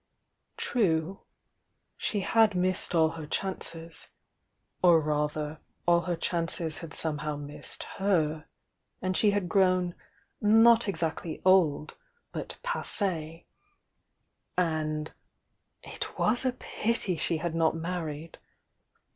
True,— slie had missed all her chances,— or rather all her chances had somehow missed her; and she had ^own not exactly old, but pauie — and — it was a pity she had not married!